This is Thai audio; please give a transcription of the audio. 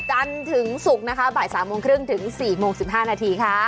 จันทร์ถึงศุกร์นะคะบ่ายสามโมงครึ่งถึงสี่โมงสิบห้านาทีค่ะ